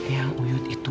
yang yud itu